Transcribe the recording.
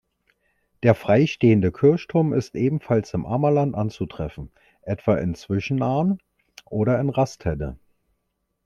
Der freistehende Kirchturm ist ebenfalls im Ammerland anzutreffen, etwa in Zwischenahn oder in Rastede.